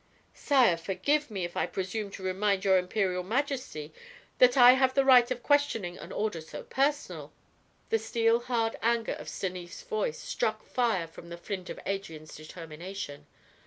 "Sire, forgive me if I presume to remind your Imperial Majesty that I have the right of questioning an order so personal." The steel hard anger of Stanief's voice struck fire from the flint of Adrian's determination.